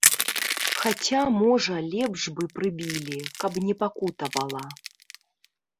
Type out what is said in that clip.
Хаця, можа, лепш бы прыбілі, каб не пакутавала.